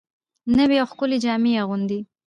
نوې او ښکلې جامې اغوندي